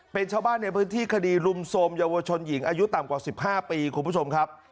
เป็นชาวบ้านในพื้นที่คดีรุมโทรมเยาวชนหญิงอายุต่ำกว่า๑๕ปีคุณผู้ชมครับ